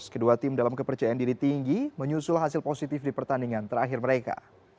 kedua tim dalam kepercayaan diri tinggi menyusul hasil positif di pertandingan terakhir mereka